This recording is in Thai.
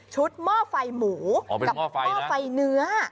หม้อไฟหมูกับหม้อไฟเนื้อ